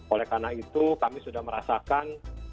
oleh karena itu kami sudah merasakan